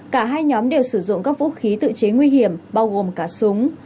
cả hai nhóm đều sử dụng các vũ khí tự chế nguy hiểm bao gồm cả súng